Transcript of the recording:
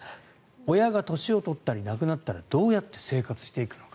親が年を取ったり亡くなったらどうやって生活していくのか。